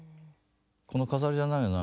この「飾りじゃないのよ涙は」